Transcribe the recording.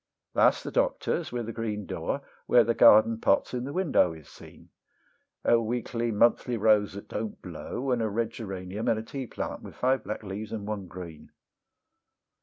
That's the Doctor's with a green door, where the garden pots in the window is seen; A weakly monthly rose that don't blow, and a red geranium, and a teaplant with five black leaves, and one green.